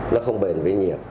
nó không bền với nhiệt